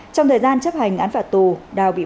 trong thời gian chấp hành án phạt tù đào bị bỏ